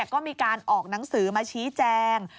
ก็มีการออกหนังสือมาชี้แจง